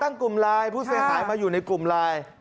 ตั้งกลุ่มลายผู้เสียหายมาอยู่ในกลุ่มลาย